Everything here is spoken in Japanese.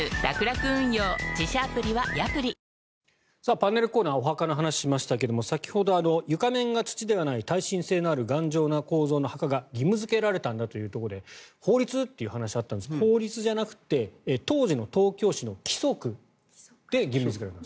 パネルコーナーお墓の話しましたけど先ほど床面が土ではない耐震性のある頑丈な構造の墓が義務付けられたんだというところで法律？という話があったんですが法律ではなくて当時の東京市の規則で義務付けられた。